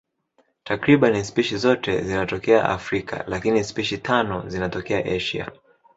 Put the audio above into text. Takriban spishi zote zinatokea Afrika, lakini spishi tano zinatokea Asia.